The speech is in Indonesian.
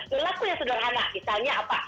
berlaku yang sederhana misalnya apa